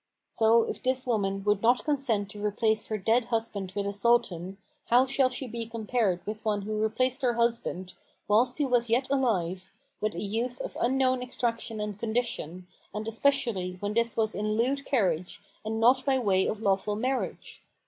So, if this woman would not consent to replace her dead husband with a Sultan, how shall she be compared with one who replaced her husband, whilst he was yet alive, with a youth of unknown extraction and condition, and especially when this was in lewd carriage and not by way of lawful marriage?